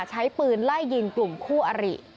ใช้ปืนไล่ยิงกลุ่มคู่อริ